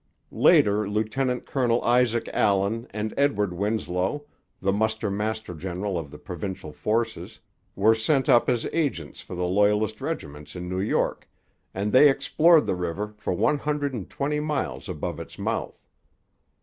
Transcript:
Later Lieutenant Colonel Isaac Allen and Edward Winslow, the muster master general of the provincial forces, were sent up as agents for the Loyalist regiments in New York, and they explored the river for one hundred and twenty miles above its mouth.